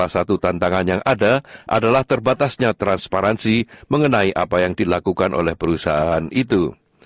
satu tantangan yang ada adalah terbatasnya transparansi mengenai apa yang dilakukan oleh perusahaan itu